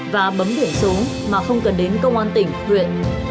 và bấm biển số mà không cần đến công an tỉnh huyện